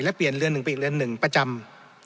และเปลี่ยนเรือนหนึ่งไปอีกเรือนหนึ่งประจำ